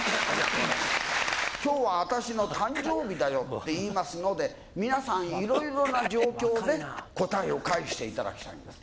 「今日は私の誕生日だよ」って言いますので皆さんいろいろな状況で答えを返していただきたいんです。